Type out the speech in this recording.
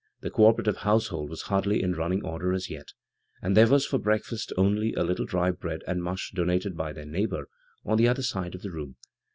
The cooperative household was hardly in running order as yet, and there was for breakfast only a litde dry bread and mush donated by their neighbor on the other side of the room.